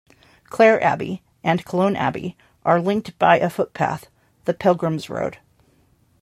Clare Abbey and Killone Abbey are linked by a footpath, the Pilgrim's road.